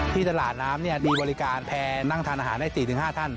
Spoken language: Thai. ที่ตลาดน้ำดีบริการแพร่นั่งทานอาหารได้๔๕ท่าน